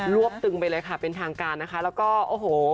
วบตึงไปเลยค่ะเป็นทางการนะคะแล้วก็โอ้โห